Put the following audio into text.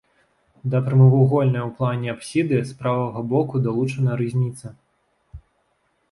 Да прамавугольнай у плане апсіды з правага боку далучана рызніца.